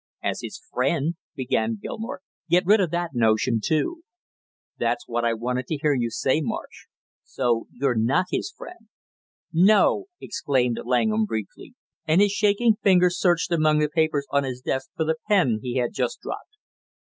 "As his friend " began Gilmore. "Get rid of that notion, too!" "That's what I wanted to hear you say, Marsh! So you're not his friend?" "No!" exclaimed Langham briefly, and his shaking fingers searched among the papers on his desk for the pen he had just dropped.